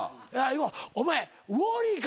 お前ウォーリーか。